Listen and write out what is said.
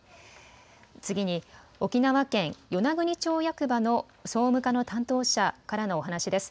次に沖縄県与那国町役場の総務課の担当者からのお話です。